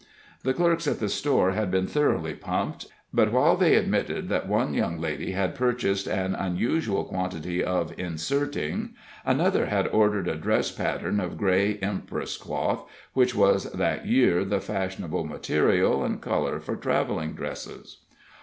The clerks at the store had been thoroughly pumped; but while they admitted that one young lady had purchased an unusual quantity of inserting, another had ordered a dress pattern of gray empress cloth, which was that year the fashionable material and color for traveling dresses.